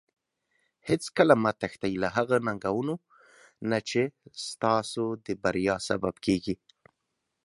هیڅکله مه تښتي له هغو ننګونو نه چې ستاسو د بریا سبب کیږي.